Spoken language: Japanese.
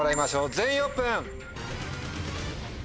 全員オープン！